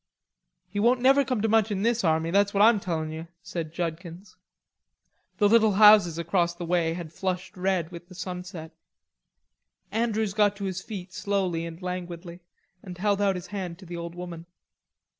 "He won't never come to much in this army, that's what I'm telling yer," said Judkins. The little houses across the way had flushed red with the sunset. Andrews got to his feet slowly and languidly and held out his hand to the old woman.